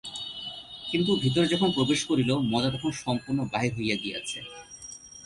কিন্তু ভিতরে যখন প্রবেশ করিল মজা তখন সম্পূর্ণ বাহির হইয়া গিয়াছে।